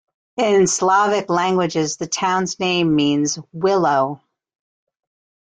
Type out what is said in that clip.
In Slavic languages the town's name means "willow".